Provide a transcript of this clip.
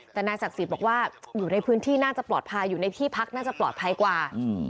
แต่นายศักดิ์สิทธิ์บอกว่าอยู่ในพื้นที่น่าจะปลอดภัยอยู่ในที่พักน่าจะปลอดภัยกว่า